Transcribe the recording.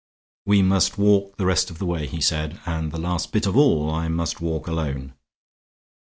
"We must walk the rest of the way," he said, "and the last bit of all I must walk alone."